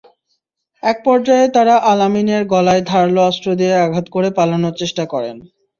একপর্যায়ে তাঁরা আল-আমিনের গলায় ধারালো অস্ত্র দিয়ে আঘাত করে পালানোর চেষ্টা করেন।